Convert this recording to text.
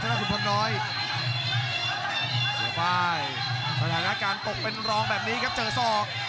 เสื้อฝ่ายสถานการณ์ตกเป็นรองแบบนี้ครับเจอซอก